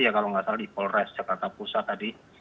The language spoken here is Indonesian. ya kalau nggak salah di polres jakarta pusat tadi